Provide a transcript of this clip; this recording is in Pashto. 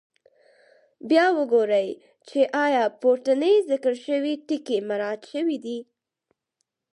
بیا وګورئ چې آیا پورتني ذکر شوي ټکي مراعات شوي دي.